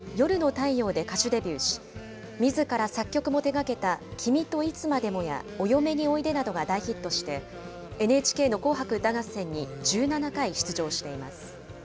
その翌年に夜の太陽で歌手デビューし、みずから作曲も手がけた、君といつまでもやお嫁においでなどが大ヒットして、ＮＨＫの紅白歌合戦に１７回出場しています。